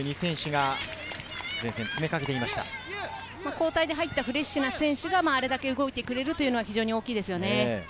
交代で入ったフレッシュな選手があれだけ動いてくれるのは大きいですね。